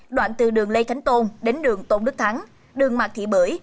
đoạn từ đường lê khánh tôn đến đường tôn đức thắng đường mạc thị bưởi